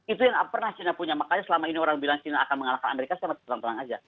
itu yang pernah china punya makanya selama ini orang bilang china akan mengalahkan amerika saya terang terang saja